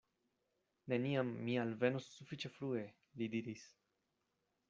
Neniam mi alvenos sufiĉe frue, li diris.